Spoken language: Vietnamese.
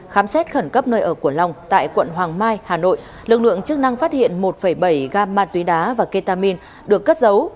khám xét khẩn cấp nơi ở của long tại quận hoàng mai hà nội lực lượng chức năng phát hiện một bảy gam ma túy đá và ketamin được cất giấu